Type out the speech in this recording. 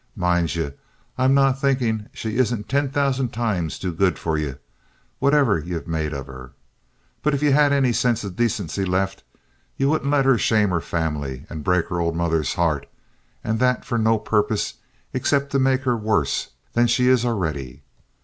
Mind ye, I'm not thinkin' she isn't ten thousand times too good for ye, whatever ye've made of her. But if ye had any sinse of dacency left, ye wouldn't let her shame her family and break her old mother's heart, and that for no purpose except to make her worse than she is already.